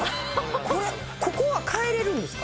これここは替えれるんですか？